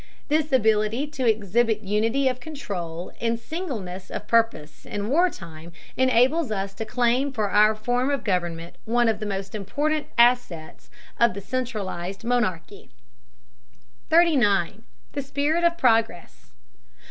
This ability to exhibit unity of control and singleness of purpose in war time enables us to claim for our form of government one of the most important assets of the centralized monarchy. 39. THE SPIRIT OF PROGRESS.